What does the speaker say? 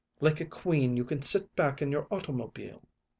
Like a queen you can sit back in your automobile.